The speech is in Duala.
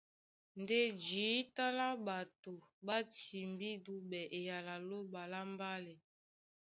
Ndé jǐta lá ɓato ɓá timbí dúɓɛ eyala a Lóɓa lá mbálɛ.